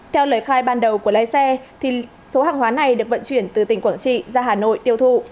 theo lời khai ban đầu của lái xe số hàng hóa này được vận chuyển từ tỉnh quảng trị ra hà nội tiêu thụ